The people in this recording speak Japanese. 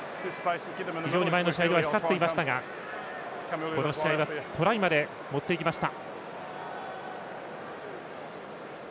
非常に前の試合では光っていましたがこの試合はトライまで持っていきました。